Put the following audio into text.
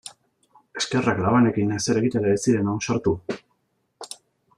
Eskerrak labanekin ezer egitera ez ziren ausartu.